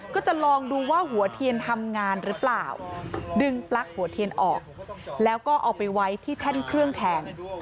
ก็จะลองดูว่าหัวเทียนทำงานหรือเปล่าดึงปลั๊กหัวเทียนออกแล้วก็เอาไปไว้ที่แท่นเครื่องแทน